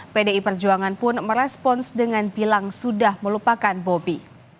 pdi perjuangan pun merespons dengan bilang sudah melupakan bobi